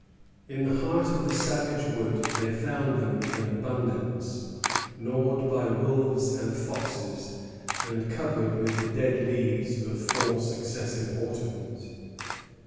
In the heart of the savage wood they found them in abundance, gnawed by wolves and foxes, and covered with the dead leaves of four successive autumns.